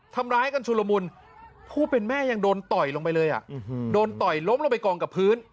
ทำร้ายกันชุลมุนผู้เป็นแม่ยังโดนต่อยลงไปเลยโดนต่อยล้มลงไปกองกับพื้น